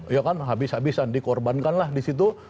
ya kan habis habisan dikorbankan lah disitu